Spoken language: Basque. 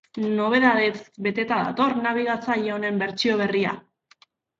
Nobedadez beteta dator nabigatzaile honen bertsio berria.